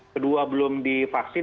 kedua belum divaksin